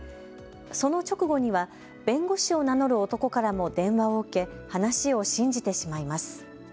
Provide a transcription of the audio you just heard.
その直後には弁護士を名乗る男からも電話を受け話を信じてしまいます。